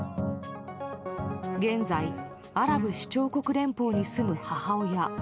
現在アラブ首長国連邦に住む母親。